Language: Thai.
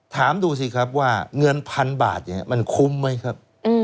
ถามดูว่าเงิน๑๐๐๐บาทมันคุ้มไหมครับ